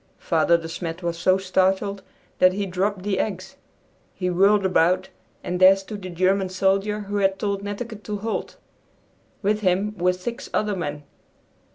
Father De Smet was so startled that he dropped the eggs. He whirled about, and there stood the German soldier who had told Netteke to halt. With him were six other men.